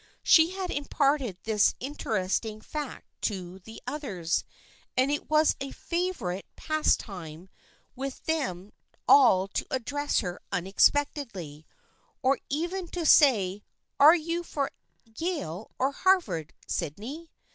She had imparted this interesting fact to the others, and it was a favorite pastime THE FEIENDSHIP OF ANNE 99 with them all to address her unexpectedly, or even to say, "Are you for Yale or Harvard, Sydney?"